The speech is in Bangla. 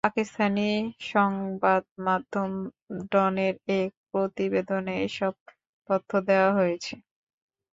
পাকিস্তানি সংবাদমাধ্যম ডনের এক প্রতিবেদনে এসব তথ্য দেওয়া হয়েছে।